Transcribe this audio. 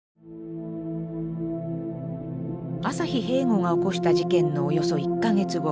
朝日平吾が起こした事件のおよそ１か月後。